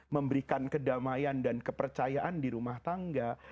memberikan kedamaian dan kepercayaan di rumah tangga